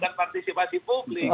bukan partisipasi publik